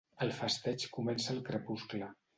El festeig comença al crepuscle.